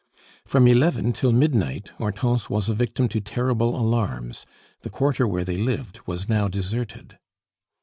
From eleven till midnight Hortense was a victim to terrible alarms; the quarter where they lived was now deserted.